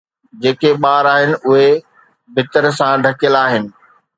جيڪي ٻار آهن، اهي پٿر سان ڍڪيل آهن